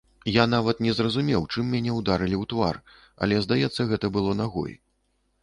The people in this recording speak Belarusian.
Я нават не зразумеў чым мяне ударылі ў твар, але здаецца гэта было нагой.